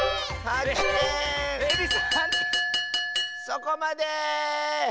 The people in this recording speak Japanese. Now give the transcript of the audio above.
そこまで！